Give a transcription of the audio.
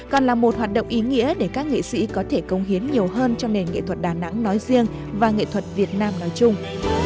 còn là một hoạt động ý nghĩa để các nghệ sĩ có thể công hiến nhiều hơn cho nền nghệ thuật đà nẵng nói riêng và nghệ thuật việt nam nói chung